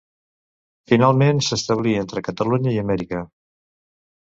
Finalment, s'establí entre Catalunya i Amèrica.